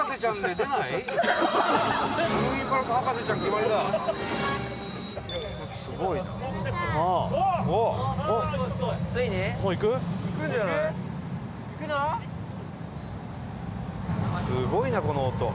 伊達：すごいな、この音。